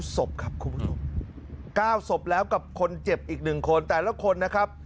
ศพครับคุณผู้ชม๙ศพแล้วกับคนเจ็บอีก๑คนแต่ละคนนะครับ